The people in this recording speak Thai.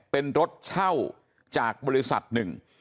เป็นรถเช่าจากบริษัทหนึ่ง